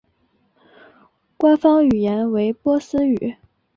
官方语言为波斯语。